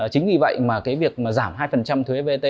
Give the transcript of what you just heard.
chính vì vậy mà cái việc mà giảm hai thuế vat